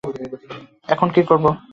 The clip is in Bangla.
এখন কি করবো?